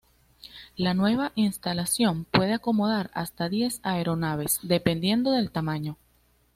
La nueva instalación puede acomodar hasta diez aeronaves dependiendo del tamaño.